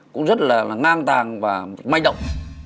cũng rất là ngang tàng và may động